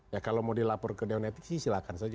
ya kalau mau dilapor ke neonetics sih silahkan saja